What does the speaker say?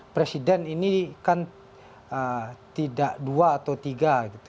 presiden ini kan tidak dua atau tiga gitu